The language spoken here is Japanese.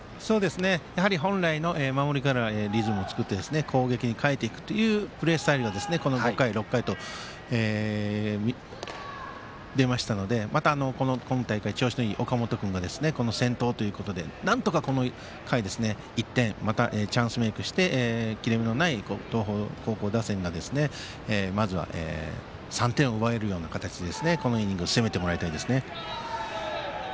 本来の守りからリズムを作って攻撃に変えていくというプレースタイルが５回、６回に出ましたのでまた今大会調子がいい岡本君がこの回先頭ということでなんとか、この回１点、またチャンスメイクして切れ目のない東邦高校打線がまずは３点を奪えるような形でこのイニングを進めてもらいたいです。